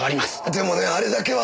でもねあれだけは。